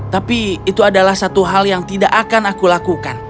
tapi itu adalah satu hal yang tidak akan aku lakukan